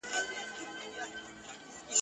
دغه زما غيور ولس دی !.